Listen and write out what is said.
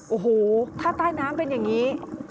โอ้โหถ้าใต้น้ำเป็นอย่างนี้